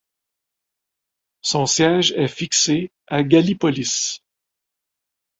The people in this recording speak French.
Son siège est fixé à Gallipolis.